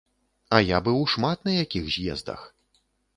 А я быў шмат на якіх з'ездах.